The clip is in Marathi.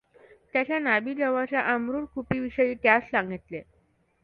त्याच्या नाभीजवळच्या अमृत कुपीविषयी त्यास सांगितले.